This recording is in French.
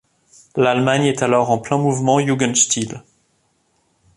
L'Allemagne est alors en plein mouvement jugendstil.